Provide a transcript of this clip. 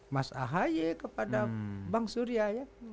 mas ahaye kepada bang surya ya